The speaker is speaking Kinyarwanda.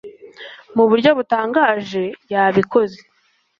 mu buryo butangaje yabikoze